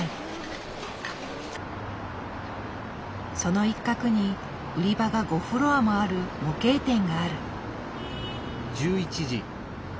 その一角に売り場が５フロアもある模型店がある。